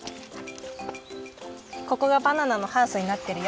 ここがバナナのハウスになってるよ。